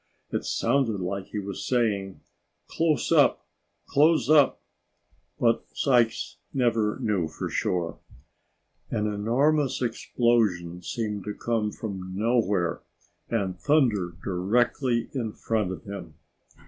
It sounded like he was saying, "Close up! Close up!" but Sykes never knew for sure. An enormous explosion seemed to come from nowhere and thunder directly in front of him.